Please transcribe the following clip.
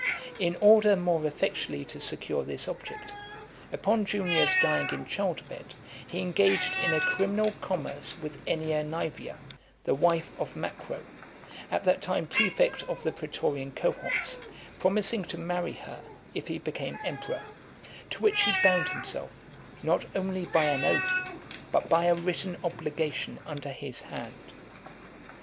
In order more effectually to secure this object, upon Junia's dying in child bed, he engaged in a criminal commerce with Ennia Naevia, the wife (258) of Macro, at that time prefect of the pretorian cohorts; promising to marry her if he became emperor, to which he bound himself, not only by an oath, but by a written obligation under his hand.